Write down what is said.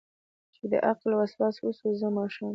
چې دعقل وسواس وسو ځم ماښام کې